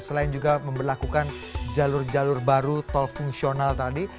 selain juga memperlakukan jalur jalur baru tol fungsional tadi